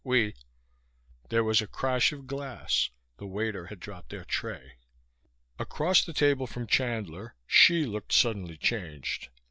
We " There was a crash of glass. The waiter had dropped their tray. Across the table from Chandler, Hsi looked suddenly changed.